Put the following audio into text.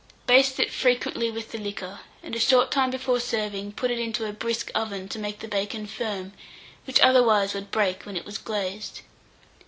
Baste it frequently with the liquor, and a short time before serving, put it into a brisk oven, to make the bacon firm, which otherwise would break when it was glazed.